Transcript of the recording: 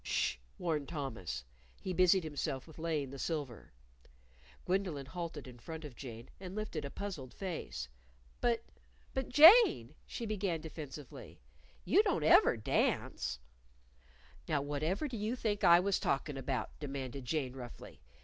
"Sh!" warned Thomas. He busied himself with laying the silver. Gwendolyn halted in front of Jane, and lifted a puzzled face. "But but, Jane," she began defensively, "you don't ever dance." "Now, whatever do you think I was talkin' about?" demanded Jane, roughly.